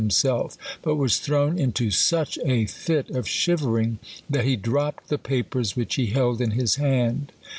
self, but was thrown into such a fit of shivering, that he dropped the papers which he held in his hand.